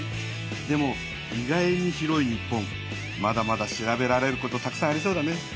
でも意外に広い日本まだまだ調べられることたくさんありそうだね。